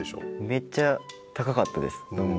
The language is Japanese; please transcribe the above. めっちゃ高かったです。